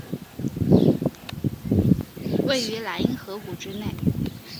位于莱茵河谷之内。